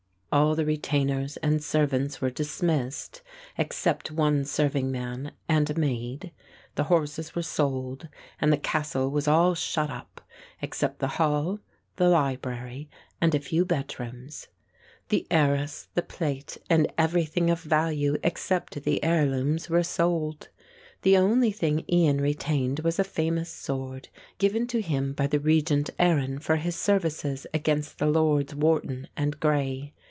All the retainers and servants were dismissed except one serving man and a maid, the horses were sold and the castle was all shut up except the hall, the library and a few bedrooms. The arras, the plate and everything of value except the heirlooms were sold. The only thing Ian retained was a famous sword, given to him by the Regent Arran for his services against the Lords Wharton and Grey.